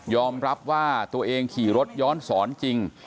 รับว่าตัวเองขี่รถย้อนสอนจริง